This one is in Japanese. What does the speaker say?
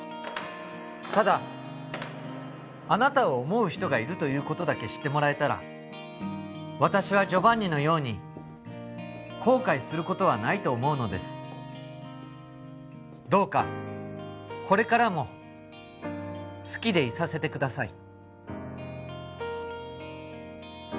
ただあなたを思う人がいるということだけ知ってもらえたら私はジョバンニのように後悔することはないと思うのですどうかこれからも好きでいさせてください